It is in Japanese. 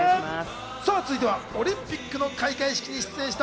続いてオリンピックの開会式に出場した。